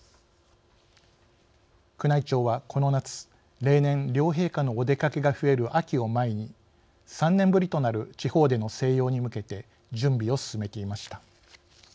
宮内庁はこの夏例年両陛下のお出かけが増える秋を前に３年ぶりとなる地方での静養に向けて準備を進めていました。